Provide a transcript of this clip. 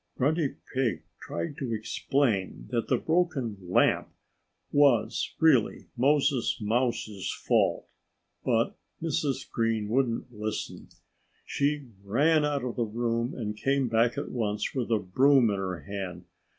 Grunty Pig tried to explain that the broken lamp was really Moses Mouse's fault. But Mrs. Green wouldn't listen. She ran out of the room and came back at once with a broom in her hand.